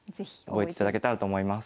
覚えていただけたらと思います。